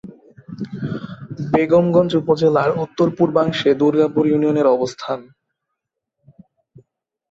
বেগমগঞ্জ উপজেলার উত্তর-পূর্বাংশে দুর্গাপুর ইউনিয়নের অবস্থান।